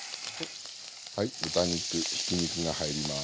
はい豚肉ひき肉が入ります。